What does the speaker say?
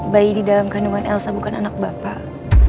bayi di dalam kandungan elsa bukan anak bapak